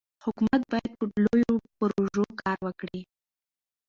حکومت باید په لویو پروژو کار وکړي.